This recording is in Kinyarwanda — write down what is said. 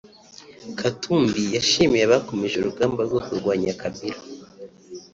Katumbi yashimiye abakomeje urugamba rwo kurwanya Kabila